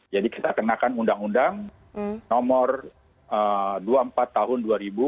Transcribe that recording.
jadi kita kenakan undang undang nomor dua puluh empat tahun dua ribu sembilan